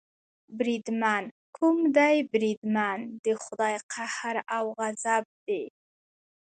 بریدمن، کوم دی بریدمن، د خدای قهر او غضب دې.